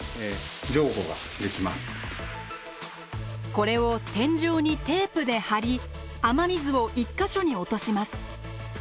これを天井にテープで貼り雨水を１か所に落とします。